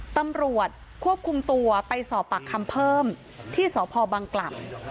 ตำรวจควบคุมตัวไปสอบปากคำเพิ่มที่สพบังกล่ำ